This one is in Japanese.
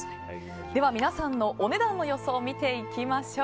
では皆さんのお値段の予想見ていきましょう。